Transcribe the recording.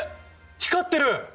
光ってる！